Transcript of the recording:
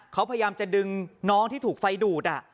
เขาพยายามจะดึงน้องที่ถูกไฟดูด